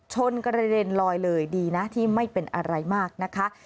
ชนกระเด็นลอยเลยดีนะที่ไม่เป็นอะไรมากนะคะ